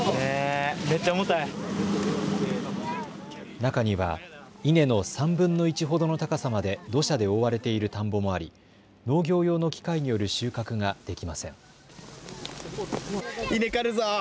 中には稲の３分の１ほどの高さまで土砂で覆われている田んぼもあり農業用の機械による収穫ができません。